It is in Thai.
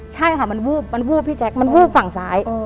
ใช่ค่ะมันวูบมันวูบพี่แจ๊คมันวูบฝั่งซ้าย